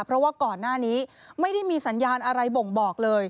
เพราะว่าก่อนหน้านี้ไม่ได้มีสัญญาณอะไรบ่งบอกเลย